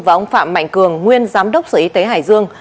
và mạnh cường nguyên giám đốc sở y tế hải dương